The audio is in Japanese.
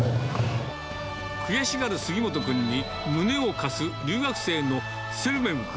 悔しがる杉本君に、胸を貸す留学生のツェルメグ君。